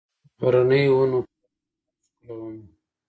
غرنیو ونو پل، پل ښکلومه